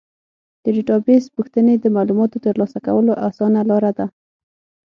د ډیټابیس پوښتنې د معلوماتو ترلاسه کولو اسانه لاره ده.